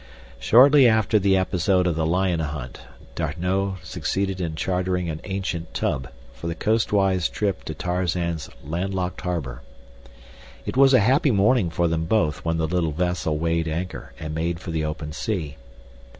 Shortly after the episode of the lion hunt, D'Arnot succeeded in chartering an ancient tub for the coastwise trip to Tarzan's land locked harbor. It was a happy morning for them both when the little vessel weighed anchor and made for the open sea.